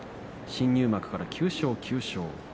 新入幕から９勝、９勝。